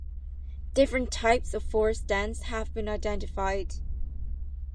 Different types of forest stands have been identified.